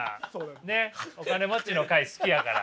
ねっお金持ちの会好きやから。